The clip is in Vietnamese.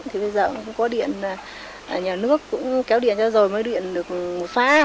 thì bây giờ cũng có điện nhà nước cũng kéo điện cho rồi mới điện được một pha